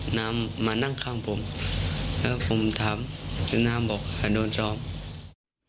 หน้ามานั่งข้างผมแล้วผมถามหน้าบอกถ้าโดนช้ำ